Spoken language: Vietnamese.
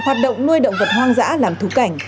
hoạt động nuôi động vật hoang dã làm thú cảnh